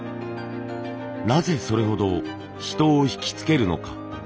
なぜそれほど人を引き付けるのか？